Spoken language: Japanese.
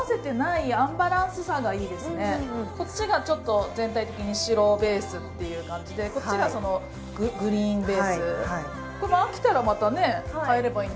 こっちがちょっと全体的に白ベースっていう感じでこっちがグリーンベースはいはいそうですね